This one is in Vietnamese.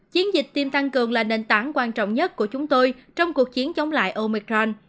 chiến dịch tiêm tăng cường là nền tảng quan trọng nhất của chúng tôi trong cuộc chiến chống lại omicron